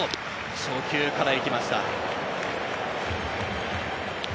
初球から行きました。